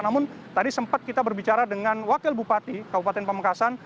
namun tadi sempat kita berbicara dengan wakil bupati kabupaten pamekasan